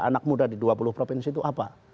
anak muda di dua puluh provinsi itu apa